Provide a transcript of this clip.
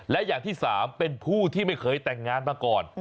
และอย่างที่๓เป็นผู้ที่ไม่เคยแต่งงานมาก่อน